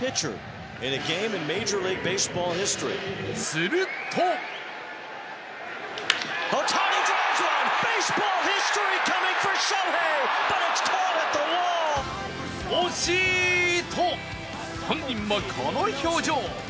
すると惜しい、と本人もこの表情。